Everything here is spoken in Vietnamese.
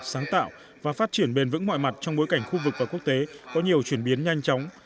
sáng tạo và phát triển bền vững mọi mặt trong bối cảnh khu vực và quốc tế có nhiều chuyển biến nhanh chóng